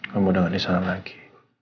kamu udah gak diserang lagi